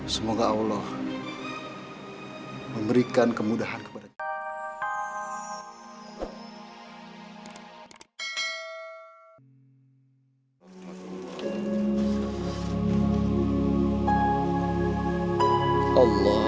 semoga allah memberikan kemudahan kepada kita